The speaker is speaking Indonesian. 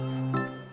selamat pagi bu jun